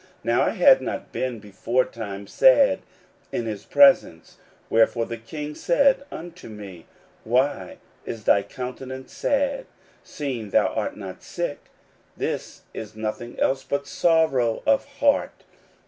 Now I had not been beforetime sad in his presence. 16:002:002 Wherefore the king said unto me, Why is thy countenance sad, seeing thou art not sick? this is nothing else but sorrow of heart.